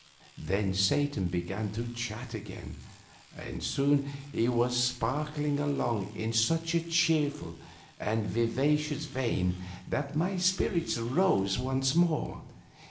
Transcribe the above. Then Satan began to chat again, and soon he was sparkling along in such a cheerful and vivacious vein that my spirits rose once more.